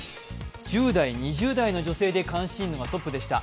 １０代、２０代の女性で関心度がトップでした。